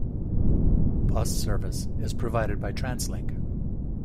Bus Service is provided by Translink.